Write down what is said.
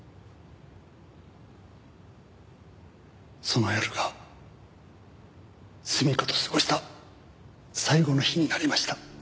その夜が純夏と過ごした最後の日になりました。